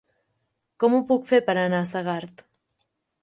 Com ho puc fer per anar a Segart?